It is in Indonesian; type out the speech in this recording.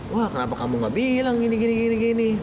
wah kenapa kamu gak bilang gini gini